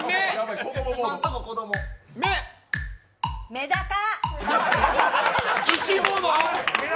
メダカ。